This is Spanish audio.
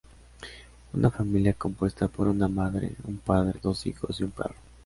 Una familia compuesta por una madre, un padre, dos hijos y un perro.